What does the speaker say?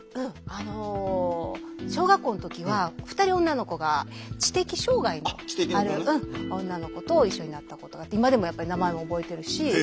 あの小学校の時は２人女の子が知的障害のある女の子と一緒になったことがあって今でもやっぱり名前も覚えてるし。